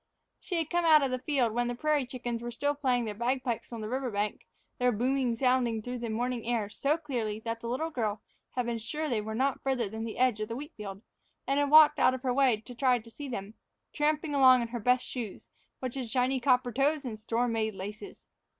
She had come out to the field when the prairie chickens were still playing their bagpipes on the river bank, their booming sounding through the morning air so clearly that the little girl had been sure they were not farther than the edge of the wheat field, and had walked out of her way to try to see them, tramping along in her best shoes, which had shiny copper toes and store made laces.